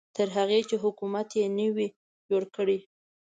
تر هغې چې حکومت یې نه وي جوړ کړی.